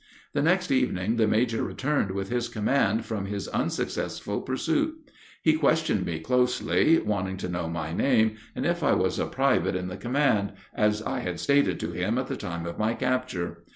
The next evening the major returned with his command from his unsuccessful pursuit. He questioned me closely, wanting to know my name, and if I was a private in the command, as I had stated to him at the time of my capture.